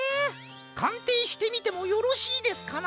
かんていしてみてもよろしいですかな？